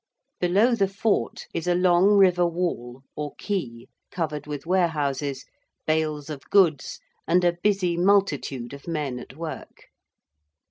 Below the fort is a long river wall or quay covered with warehouses, bales of goods, and a busy multitude of men at work.